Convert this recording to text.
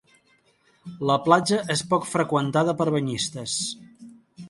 La platja és poc freqüentada per banyistes.